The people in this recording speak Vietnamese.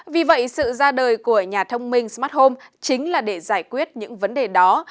vì vậy sự ra đời của nhà thông minh smart home chính là để giải quyết những vấn đề đó